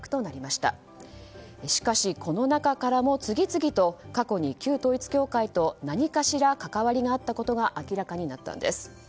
しかしこの中からも次々と過去に旧統一教会と何かしら関わりがあったことが明らかになったんです。